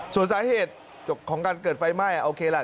ส่วนสาเหตุของการเกิดไฟไหม้โอเคล่ะ